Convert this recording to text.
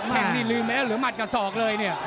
แค่งนี่ลืมแล้วเหลือหัดกับศอกเลยเนี่ย